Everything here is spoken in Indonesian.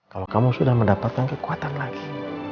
kalau kamu sudah mendapatkan kekuatan lagi